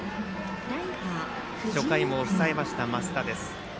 初回も抑えました、升田です。